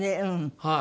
はい。